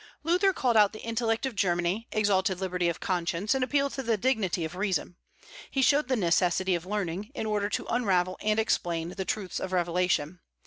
Luther called out the intellect of Germany, exalted liberty of conscience, and appealed to the dignity of reason. He showed the necessity of learning, in order to unravel and explain the truths of revelation.